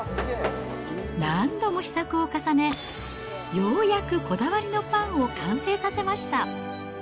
何度も試作を重ね、ようやくこだわりのパンを完成させました。